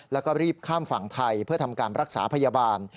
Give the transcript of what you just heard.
แล้วก็รีบข้ามฝั่งไทยเพื่อทำการรักษาพยาบาล